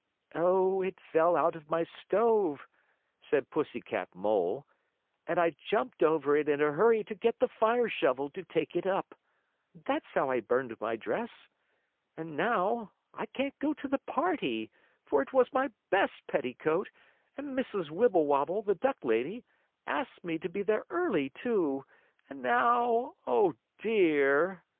"Oh, it fell out of my stove," said Pussy Cat Mole, "and I jumped over it in a hurry to get the fire shovel to take it up. That's how I burned my dress. And now I can't go to the party, for it was my best petticoat, and Mrs. Wibblewobble, the duck lady, asked me to be there early, too; and now Oh, dear!"